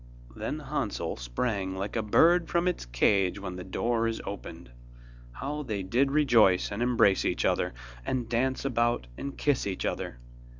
Then Hansel sprang like a bird from its cage when the door is opened. How they did rejoice and embrace each other, and dance about and kiss each other!